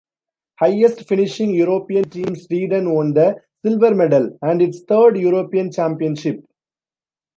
Highest finishing European team Sweden won the silver medal and its third European Championship.